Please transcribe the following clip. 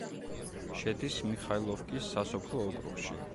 შედის მიხაილოვკის სასოფლო ოკრუგში.